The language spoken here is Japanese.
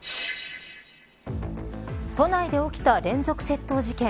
都内で起きた連続窃盗事件。